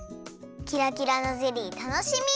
キラキラのゼリーたのしみ！